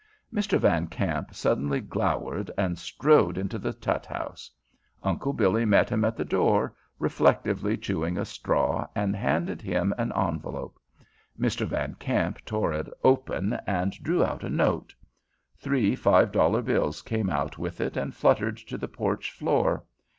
Mr. Van Kamp suddenly glowered and strode into the Tutt House. Uncle Billy met him at the door, reflectively chewing a straw, and handed him an envelope. Mr. Van Kamp tore it open and drew out a note. Three five dollar bills came out with it and fluttered to the porch floor.